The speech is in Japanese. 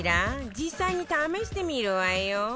実際に試してみるわよ